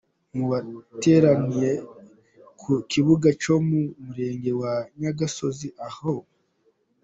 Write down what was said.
Mu bateraniye ku kibuga cyo mu murenge wa Nyagisozi aho H.